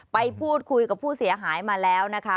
ไปพูดคุยกับผู้เสียหายมาแล้วนะคะ